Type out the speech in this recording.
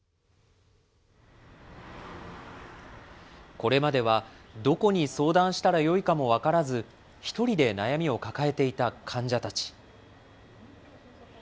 これまでは、どこに相談したらよいかも分からず、一人で悩みを抱えていた患者たち。